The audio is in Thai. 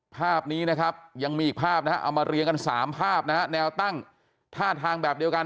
ภาพนี้นะครับยังมีอีกภาพนะฮะเอามาเรียงกัน๓ภาพนะฮะแนวตั้งท่าทางแบบเดียวกัน